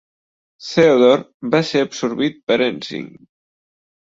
Theodore va ser absorbit per Ensign.